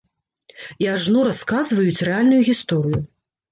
І ажно расказваюць рэальную гісторыю.